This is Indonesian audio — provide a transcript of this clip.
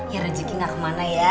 ya rezeki gak kemana ya